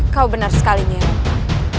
kau benar sekali nyai ruka